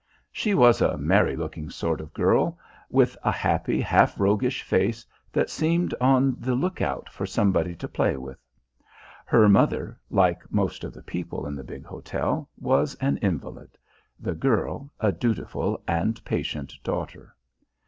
She was a merry looking sort of girl, with a happy, half roguish face that seemed on the lookout for somebody to play with. Her mother, like most of the people in the big hotel, was an invalid; the girl, a dutiful and patient daughter.